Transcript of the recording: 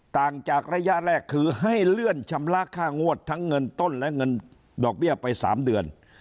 ต่างจากระยะแรกคือให้เลื่อนชำระค่างวดทั้งเงินต้นและเงินดอกเบี้ยไป๓เดือน